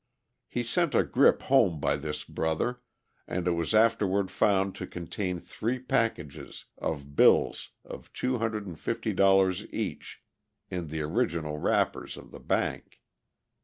He sent a grip home by this brother, and it was afterward found to contain three packages of bills of $250 each in the original wrappers of the bank.